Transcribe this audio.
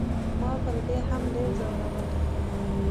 ما پر دې هم ډېر زورولی.